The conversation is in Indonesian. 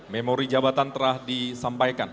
memori jabatan telah disampaikan